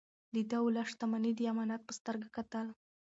ده د ولس شتمني د امانت په سترګه کتل.